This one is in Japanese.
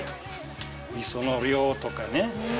味噌の量とかね。